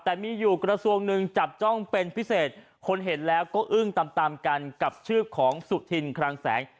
แต่มีอยู่กระทรวงหนึ่งจับจ้องเป็นพิเศษคนเห็นแล้วก็อึ้งตามตามกันกับชื่อของสุธินคลังแสง